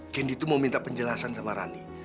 kendi itu mau minta penjelasan sama rani